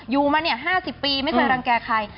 อยู่มา๕๐ปีไม่เคยรังแก่ใคร